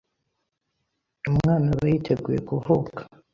Umwana aba yiteguye kuvuka,